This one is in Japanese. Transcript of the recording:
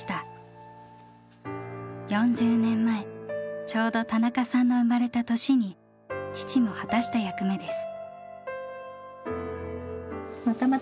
４０年前ちょうど田中さんの生まれた年に父も果たした役目です。